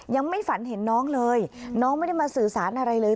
ยังไม่ฝันเห็นน้องเลยน้องไม่ได้มาสื่อสารอะไรเลย